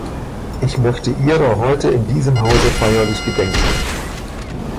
Ich möchte ihrer heute in diesem Hause feierlich gedenken.